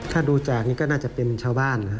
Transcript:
ถ้าดูจากนี้ก็น่าจะเป็นชาวบ้านนะครับ